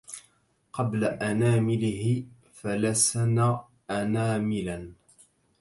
قبل أنامله فلسن أناملا